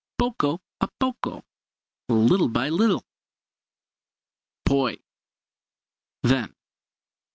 Poco a poco little by little. Poi then.